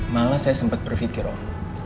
malah saya sempet berpikir om